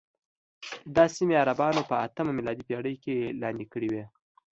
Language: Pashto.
دا سیمې عربانو په اتمه میلادي پېړۍ کې لاندې کړې وې.